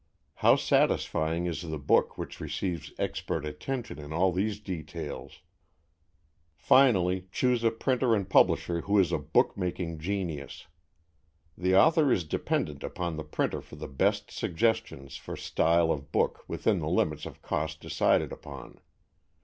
How satisfying is the book which receives expert attention in all these details! Finally, choose a printer and publisher who is a book making genius. The author is dependent upon the printer for the best suggestions for style of book within the limits of cost decided upon.